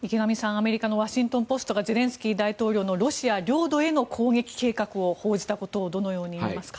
アメリカのワシントン・ポストがゼレンスキー大統領のロシア領土への攻撃計画を報じたことをどのように見ますか？